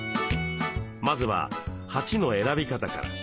まずは鉢の選び方から。